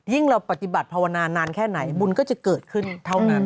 เราปฏิบัติภาวนานานแค่ไหนบุญก็จะเกิดขึ้นเท่านั้น